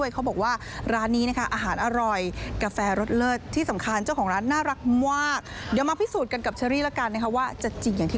ถูกค่ะด้วยหุ่นอย่างเราสองคนเราจะน้อยได้ยังไงใช่มั้ยค่ะชะลี